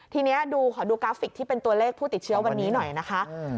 ทีนี้ดูขอดูกราฟิกที่เป็นตัวเลขผู้ติดเชื้อวันนี้หน่อยนะคะ